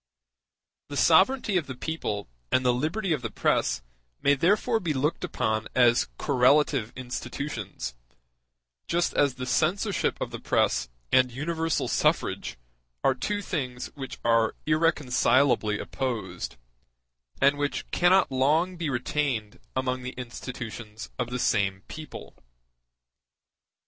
The sovereignty of the people and the liberty of the press may therefore be looked upon as correlative institutions; just as the censorship of the press and universal suffrage are two things which are irreconcilably opposed, and which cannot long be retained among the institutions of the same people.